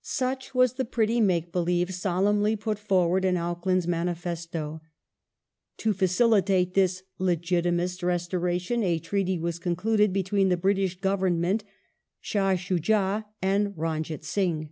Such was the pretty make believe solemnly put forward in Auckland's manifesto. To facilitate this "legitimist" restora tion, a treaty was concluded between the British Government, Shdh Shujji, and Ranjit Singh.